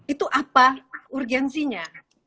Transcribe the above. itu apa urgensinya